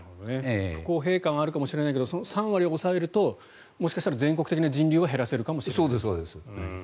不公平感はあるかもしれないけれどもその３割を抑えると全国的な人流は減らせるかもしれないと。